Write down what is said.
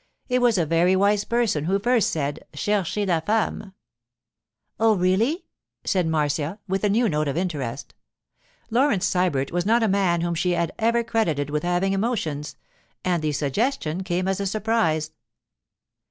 It was a very wise person who first said, "Cherchez la femme."' 'Oh, really?' said Marcia, with a new note of interest. Laurence Sybert was not a man whom she had ever credited with having emotions, and the suggestion came as a surprise.